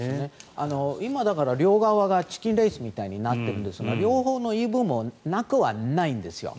今、両側がチキンレースみたいになっているんですが両方の言い分もなくはないんですよ。